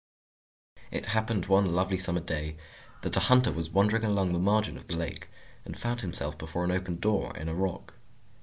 It happened, one lovely Summer day, that a hunter was wandering along the margin of the lake, and found himself before an open door in a rock.